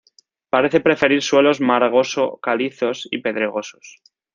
Parece preferir suelos margoso-calizos y pedregosos.